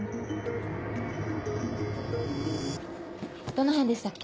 どの辺でしたっけ？